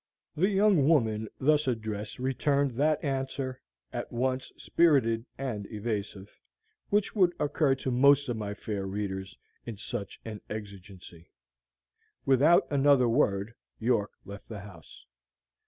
The young woman thus addressed returned that answer at once spirited and evasive which would occur to most of my fair readers in such an exigency. Without another word, York left the house.